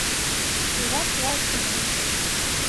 Йӧра, чыла ыштена.